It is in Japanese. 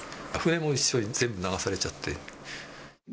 船も一緒に全部流されちゃって。